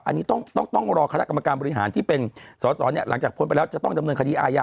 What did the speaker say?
อันนี้ต้องรอคณะกรรมการบริหารที่เป็นสอสอหลังจากพ้นไปแล้วจะต้องดำเนินคดีอาญา